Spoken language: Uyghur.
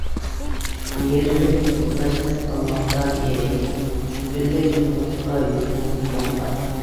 يېرىلىش توختاشتىن قالماقتا نېرى، پۈتۈنلەي سۇنۇشقا يۈزلىنىپ لوڭقا.